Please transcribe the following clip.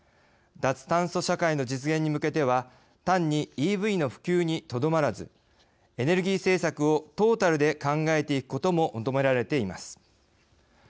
脱炭素社会の実現に向けては単にＥＶの普及にとどまらずエネルギー政策をトータルで考えていくことも求められています。